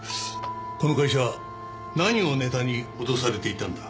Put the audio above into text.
この会社何をネタに脅されていたんだ？